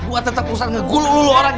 gua tetep usah ngegulung lu orang